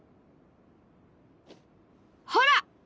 ほら！